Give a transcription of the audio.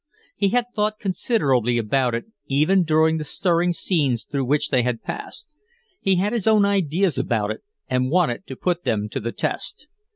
He had thought considerably about it even during the stirring scenes through which they had passed. He had his own ideas about it and wanted to put them to the test.